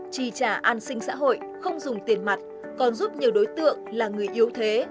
chi trả an sinh xã hội không dùng tiền mặt còn giúp nhiều đối tượng là người yếu thế